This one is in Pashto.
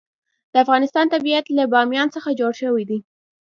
د افغانستان طبیعت له بامیان څخه جوړ شوی دی.